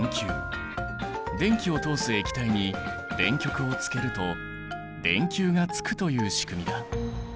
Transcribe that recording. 電気を通す液体に電極をつけると電球がつくという仕組みだ。